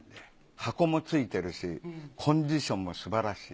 箱も付いてるしコンディションもすばらしい。